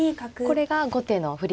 これが後手の振り